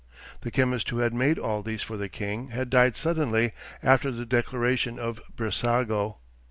(The chemist who had made all these for the king had died suddenly after the declaration of Brissago.)